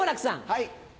はい。